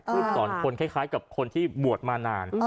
สอนคนคล้ายกับคนที่บวชมานาน